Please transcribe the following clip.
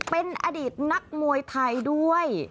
เป็นอดีตนักมวยไทยด้วย